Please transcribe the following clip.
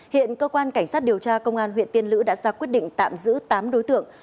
hiện cơ quan cảnh sát điều tra công an huyện tiên lữ đã ra quyết định tạm giữ tám đối tượng